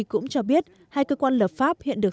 cũng cho biết hai cơ quan lập pháp hiện được